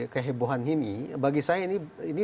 kehebohan ini bagi saya ini